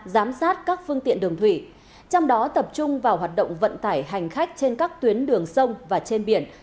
giám sát các phương tiện đường thủy trong đó tập trung vào hoạt động vận tải hành khách trên các tuyến đường sông và trên biển